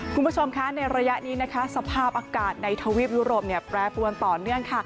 คุณผู้ชมคะในระยะนี้นะคะสภาพอากาศในทวีปยุโรปแปรปรวนต่อเนื่องค่ะ